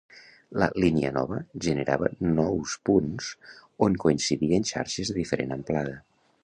La línia nova generava nous punts on coincidien xarxes de diferent amplada.